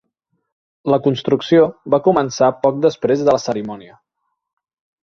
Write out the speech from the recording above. La construcció va començar poc després de la cerimònia.